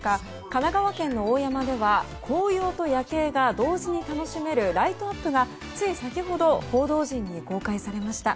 神奈川県の大山では紅葉と夜景が同時に楽しめるライトアップがつい先ほど報道陣に公開されました。